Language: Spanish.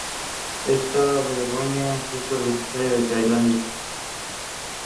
España tiene una embajada en Hanoi y un consulado en Ho Chi Minh.